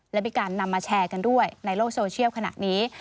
และมีการนำมาแชร์กันด้วยในโลกโซเชียลขณะนี้